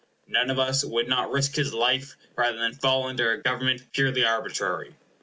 None of us who would not risk his life rather than fall under a government purely arbitrary.